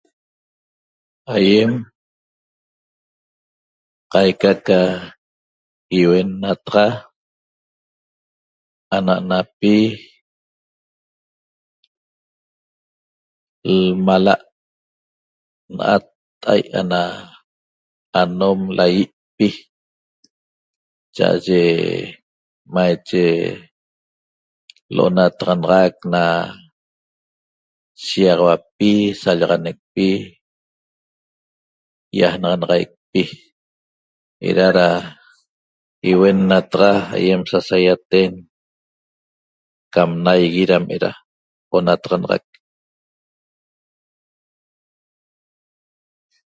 Aýem qaica ca ýiuennataxa ana'anapi lmala' ýotta'a'i ana anom laýi'pi cha'aye maiche l'onanataxanaxac na shiýaxauapi sallaxanecpi ýajnaxanaxaicpi eda da ýiuennataxa aýem sasaýaten cam naigue dam eda onataxanaxac